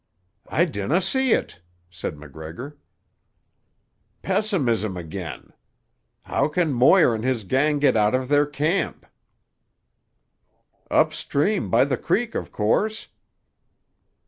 "I dinna see it," said MacGregor. "Pessimism again. How can Moir and his gang get out of their camp?" "Up stream, by the creek, of course."